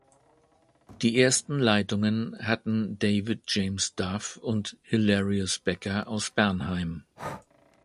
Die ersten Leitungen hatten David James Dove und Hilarius Becker aus Bernheim.